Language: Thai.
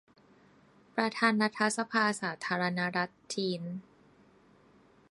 ประธานรัฐสภาสาธารณรัฐจีน